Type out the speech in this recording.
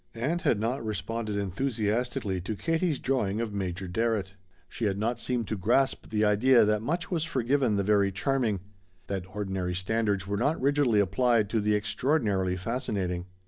Ann had not responded enthusiastically to Katie's drawing of Major Darrett. She had not seemed to grasp the idea that much was forgiven the very charming; that ordinary standards were not rigidly applied to the extraordinarily fascinating.